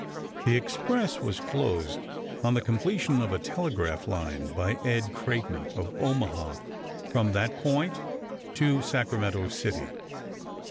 The express was closed on the completion of a telegraph line by Ed Creighton of Omaha from that point to Sacramento City.